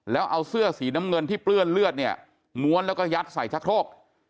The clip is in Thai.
แล้วเอาเสื้อสีน้ำเงินที่เปื้อนเลือดเนี่ยม้วนแล้วก็ยัดใส่ชะโครก